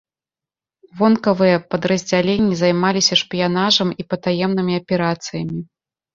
Вонкавыя падраздзяленні займаліся шпіянажам і патаемнымі аперацыямі.